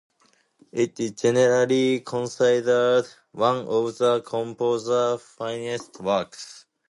It is generally considered one of the composer's finest works.